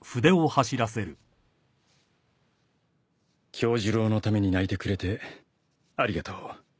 「杏寿郎のために泣いてくれてありがとう」